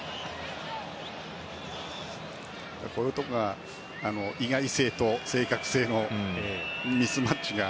こういうところが意外性と正確性のミスマッチが。